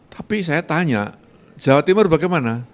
tapi saya tanya jawa timur bagaimana